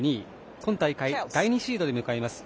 ２位今大会第２シードで迎えます